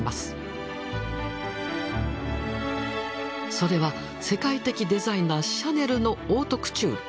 それは世界的デザイナーシャネルのオートクチュール。